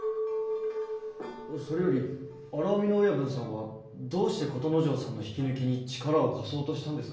それより荒海の親分さんはどうして琴之丞さんの引き抜きに力を貸そうとしたんですかい？